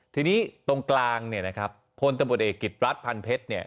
ทีนี้ตรงกลางพลตะบดเอกกิจรัฐพันเพชร